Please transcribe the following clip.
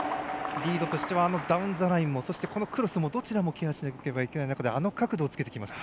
リードとしてはダウンザラインもクロスもどちらもケアしないといけない中あの角度をつけてきました。